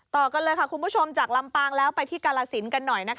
ต่อกันเลยค่ะคุณผู้ชมจากลำปางแล้วไปที่กาลสินกันหน่อย